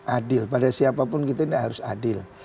adil pada siapapun kita ini harus adil